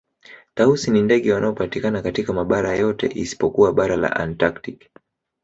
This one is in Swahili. Tausi ni ndege wanaopatikana katika mabara yote isipokuwa bara la Antaktika